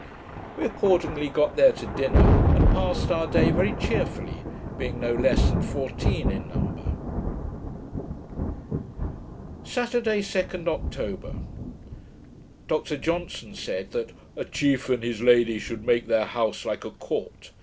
We accordingly got there to dinner; and passed our day very cheerfully, being no less than fourteen in number. Saturday, 2d October Dr Johnson said, that 'a chief and his lady should make their house like a court.